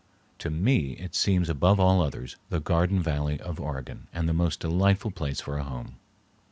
To me it seems above all others the garden valley of Oregon and the most delightful place for a home.